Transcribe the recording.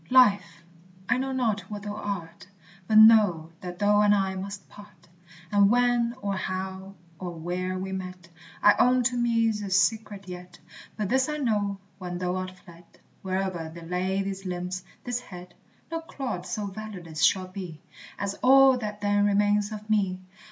Life! I know not what thou art, But know that thou and I must part; And when, or how, or where we met I own to me's a secret yet. But this I know, when thou art fled, Where'er they lay these limbs, this head, No clod so valueless shall be, As all that then remains of me.